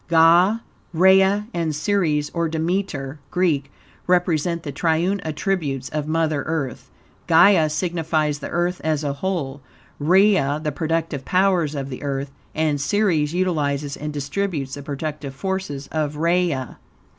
Gai, Rhea and Ceres, or Demeter (Greek), represent the triune attributes of Mother Earth. Gai signifies the Earth as a whole, Rhea the productive powers of the Earth, and Ceres utilizes and distributes the productive forces of Rhea.